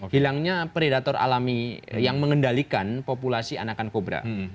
hilangnya predator alami yang mengendalikan populasi anakan kobra